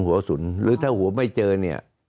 หัวสุนหรือถ้าหัวไม่เจอเนี่ย